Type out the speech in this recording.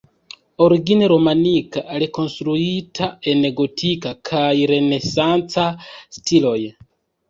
Origine romanika, rekonstruita en gotika kaj renesanca stiloj.